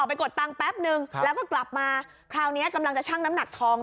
ไปกดตังค์แป๊บนึงแล้วก็กลับมาคราวนี้กำลังจะชั่งน้ำหนักทอง